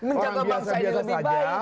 orang biasa biasa saja